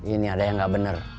ini ada yang gak bener